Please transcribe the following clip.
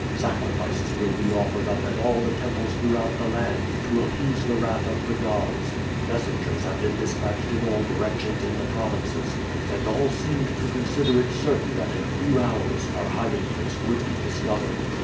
Sacrifices will be offered up at all the temples throughout the land to appease the wrath of the gods. Messengers have been dispatched in all directions in the provinces, and all seemed to consider it certain that in a few hours our hiding place would be discovered.